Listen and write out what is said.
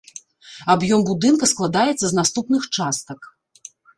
Аб'ём будынка складаецца з наступных частак.